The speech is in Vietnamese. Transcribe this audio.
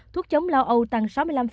thuốc chống lao âu tăng sáu mươi năm